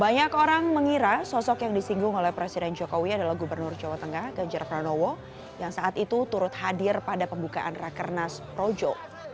banyak orang mengira sosok yang disinggung oleh presiden jokowi adalah gubernur jawa tengah ganjar pranowo yang saat itu turut hadir pada pembukaan rakernas projo